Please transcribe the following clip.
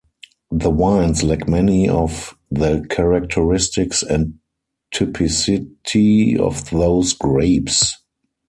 The wines lack many of the characteristics and typicity of those grapes.